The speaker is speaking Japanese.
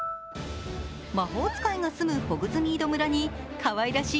魔法使いが住むホグズミード村にかわいらしい